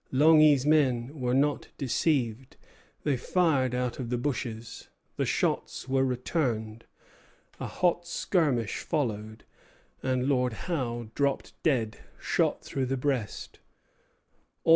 Langy's men were not deceived; they fired out of the bushes. The shots were returned; a hot skirmish followed; and Lord Howe dropped dead, shot through the breast.